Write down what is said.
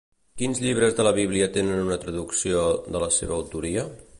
Quins llibres de la Biblia tenen una traducció de la seva autoria?